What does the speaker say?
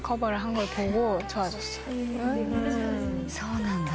そうなんだ。